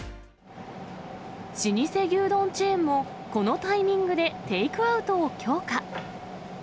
老舗牛丼チェーンも、このタイミングでテイクアウトを強化。